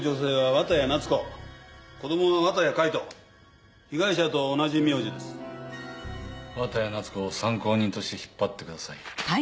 綿谷夏子を参考人として引っ張ってください。